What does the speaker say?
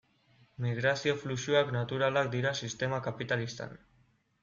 Migrazio fluxuak naturalak dira sistema kapitalistan.